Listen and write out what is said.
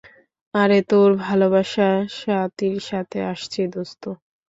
আরে তোর ভালোবাসা স্বাতীর সাথে আসছে, দোস্ত।